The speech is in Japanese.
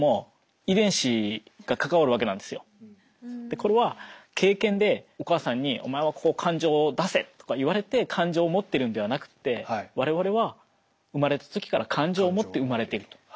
これは経験でお母さんにお前は感情を出せとか言われて感情を持ってるのではなくって我々は生まれた時から感情を持って生まれていると。